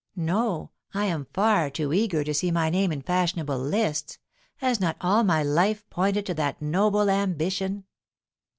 "No; I am far too eager to see my name in fashionable lists. Has not all my life pointed to that noble ambition?"